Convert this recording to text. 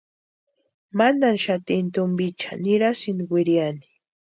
Mantani xatini tumpiicha nirasïnti wiriani.